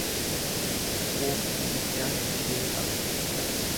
Quufni guddaan dhibee qaba.